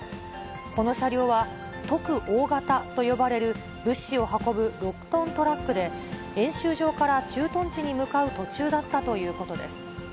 この車両は、特大型と呼ばれる物資を運ぶ６トントラックで、演習場から駐屯地に向かう途中だったということです。